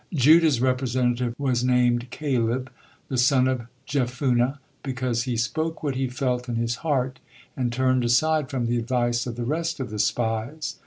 Judah's representative was name Caleb, the son of Jephunneh, because "he spoke what he felt in his heart and turned aside from the advice of the rest of the spies."